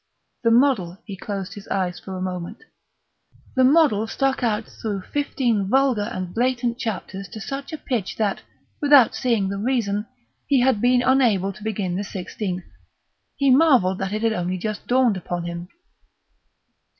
The model (he closed his eyes for a moment) the model stuck out through fifteen vulgar and blatant chapters to such a pitch that, without seeing the reason, he had been unable to begin the sixteenth. He marvelled that it had only just dawned upon him.